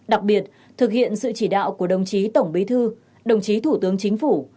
đặc biệt thực hiện sự chỉ đạo của đồng chí tổng bí thư đồng chí thủ tướng chính phủ